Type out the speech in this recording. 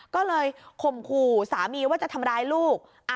ก็เลยข่มขู่สามีว่าจะทำร้ายลูก